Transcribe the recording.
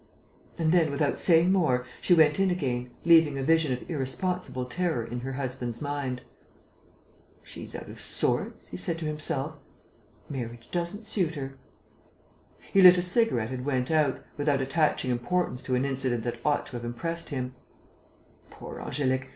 And then, without saying more, she went in again, leaving a vision of irresponsible terror in her husband's mind. "She's out of sorts," he said to himself. "Marriage doesn't suit her." He lit a cigarette and went out, without attaching importance to an incident that ought to have impressed him: "Poor Angélique!